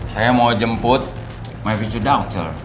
saya mau jemput my future daughter